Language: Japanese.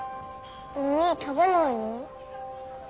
おにぃ食べないの？